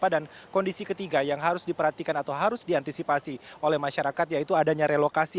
dan kondisi ketiga yang harus diperhatikan atau harus diantisipasi oleh masyarakat yaitu adanya relokasi